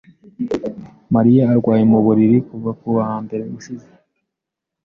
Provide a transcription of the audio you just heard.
Mariya arwaye mu buriri kuva ku wa mbere ushize.